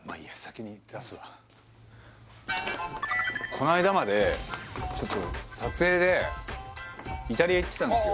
この間までちょっと撮影でイタリア行ってたんですよ